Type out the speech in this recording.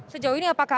sejauh ini apakah